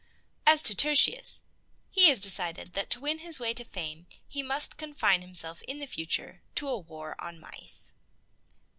As to Tertius, he has decided that to win his way to fame he must confine himself in the future to a war on mice.